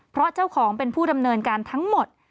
เพราะเจ้าของเป็นผู้ดำเนินการทั้งหมด